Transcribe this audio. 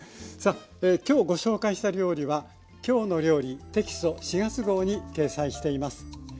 今日ご紹介した料理は「きょうの料理」テキスト４月号に掲載しています。